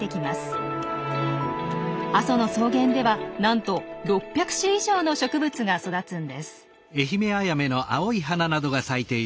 阿蘇の草原ではなんと６００種以上の植物が育つんです。